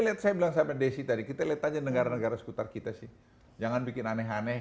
lihat saya bilang sama desi tadi kita lihat aja negara negara sekitar kita sih jangan bikin aneh aneh